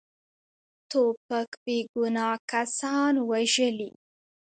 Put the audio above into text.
توپک بیګناه کسان وژلي.